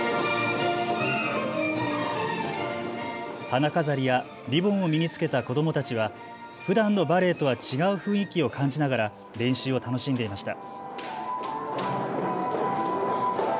花飾りやリボンを身に着けた子どもたちはふだんのバレエとは違う雰囲気を感じながら練習を楽しんでいました。